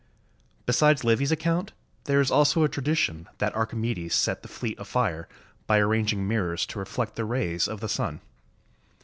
Besides Livy's account, there is also a tradition that Archimedes set the fleet afire by arranging mirrors to reflect the rays of the sun.